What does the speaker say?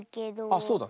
あっそうだ。